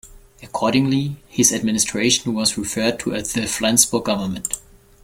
Accordingly, his administration was referred to as the Flensburg government.